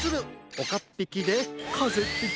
おかっぴきでかぜっぴき！